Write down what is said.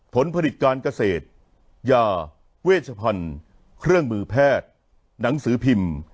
ผลผลิตการเกษตรยาเวชพันธุ์เครื่องมือแพทย์หนังสือพิมพ์